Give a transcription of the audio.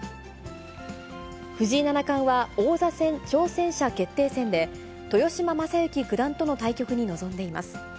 藤井七冠は、王座戦挑戦者決定戦で、豊島将之九段との対局に臨んでいます。